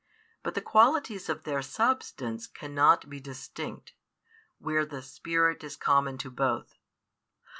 But the qualities of Their Substance cannot be distinct, where the Spirit is common to both.